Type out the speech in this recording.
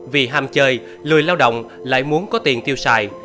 vì ham chơi lười lao động lại muốn có tiền tiêu xài